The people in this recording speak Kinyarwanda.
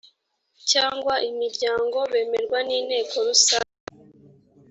cyangwa imiryango bemerwa n inteko rusange